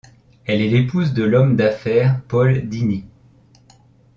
Elle est l'épouse de l'homme d'affaires Paul Dini.